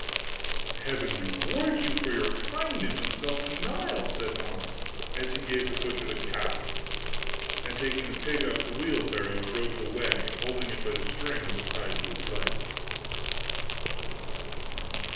'Heaven reward you for your kindness and self denial!' said Hans, as he gave the butcher the cow; and taking the pig off the wheel barrow, drove it away, holding it by the string that was tied to its leg.